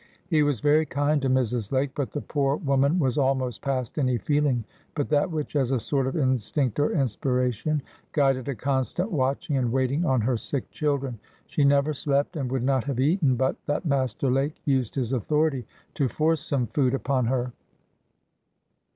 He was very kind to Mrs. Lake, but the poor woman was almost past any feeling but that which, as a sort of instinct or inspiration, guided a constant watching and waiting on her sick children. She never slept, and would not have eaten, but that Master Lake used his authority to force some food upon her.